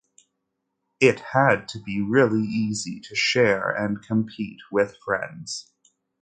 It had to be really easy to share and compete with friends.